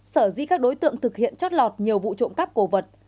sở dĩ các đối tượng thực hiện chót lọt nhiều vụ trộm cắp cổ vật